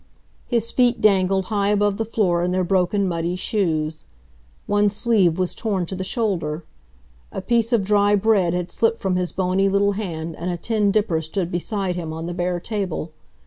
His feet dangled high above the floor in their broken, muddy shoes. One sleeve was torn to the shoulder. A piece of dry bread had slipped from his bony little hand and a tin dipper stood beside him on the bare table.